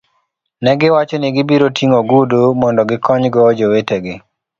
Ne giwacho ni gibiro ting'o ogudu mondo gikonygo jowetegi.